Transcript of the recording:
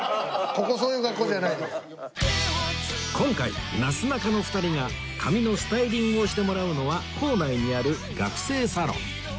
今回なすなかの２人が髪のスタイリングをしてもらうのは校内にある学生サロン